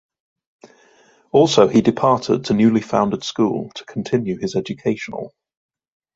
Also he departed to newly founded school to continue his educational.